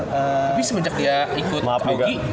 tapi semenjak dia ikut kaugi